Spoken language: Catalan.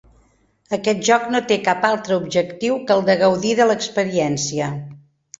Aquest joc no té cap altre objectiu que el de gaudir de l'experiència.